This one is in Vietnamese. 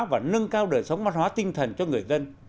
và nâng cao đời sống văn hóa tinh thần cho người dân